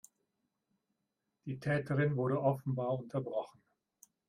Die Täterin wurde offenbar unterbrochen.